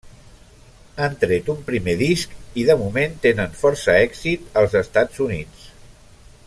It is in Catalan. Han tret un primer disc, i de moment tenen força èxit als Estats Units.